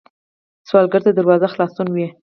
سوالګر ته دروازه خلاصون وي